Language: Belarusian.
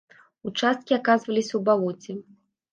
Участкі аказваліся ў балоце.